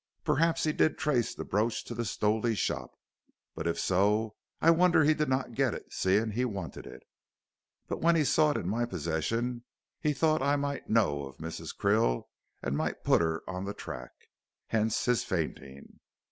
Perhaps he did trace the brooch to the Stowley shop, but if so, I wonder he did not get it, seeing he wanted it. But when he saw it in my possession, he thought I might know of Mrs. Krill and might put her on the track. Hence his fainting.